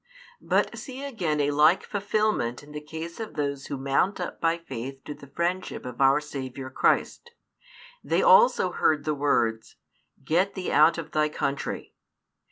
But see again a like fulfilment in the case of those who mount up by faith to the friendship of our Saviour Christ. They also heard the words Get thee out of thy country.